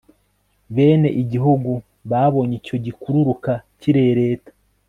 Bene igihugu babonye icyo gikururuka kirereta